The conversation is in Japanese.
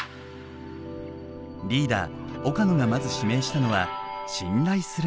リーダー岡野がまず指名したのは信頼する仲間たち。